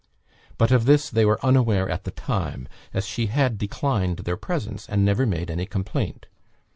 But of this they were unaware at the time, as she had declined their presence, and never made any complaint.